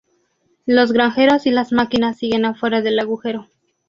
Los granjeros y las máquinas siguen afuera del agujero.